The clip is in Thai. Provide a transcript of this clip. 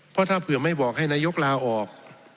เพราะถ้าเผื่อไม่บอกให้นายกลาออก